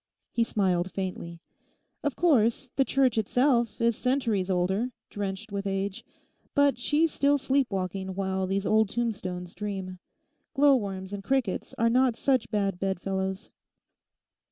He smiled faintly. 'Of course, the church itself is centuries older, drenched with age. But she's still sleep walking while these old tombstones dream. Glow worms and crickets are not such bad bedfellows.